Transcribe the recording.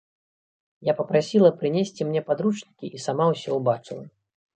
Я папрасіла прынесці мне падручнікі і сама ўсё ўбачыла.